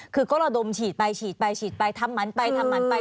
คือก็ระดมฉีดไปฉีดไปฉีดไปทำหมันไปทำหมันไป